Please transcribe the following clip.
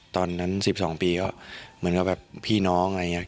ตอนนั้น๑๒ปีก็เหมือนกับแบบพี่น้องอะไรอย่างนี้